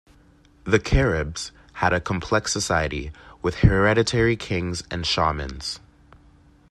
The Caribs had a complex society, with hereditary kings and shamans.